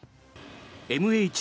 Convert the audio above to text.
ＭＨ